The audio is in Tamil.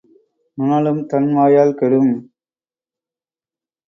நுணலும் தன் வாயால் கெடும்.